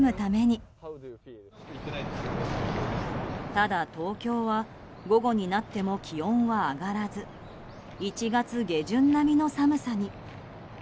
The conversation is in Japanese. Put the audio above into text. ただ、東京は午後になっても気温は上がらず１月下旬並みの寒さに。